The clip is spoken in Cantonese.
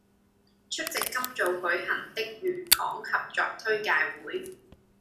出席今早舉行的渝港合作推介會